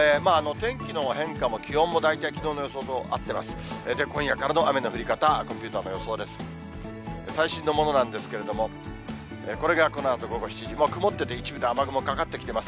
天気の変化も気温も、大体きのうの予想と合ってます。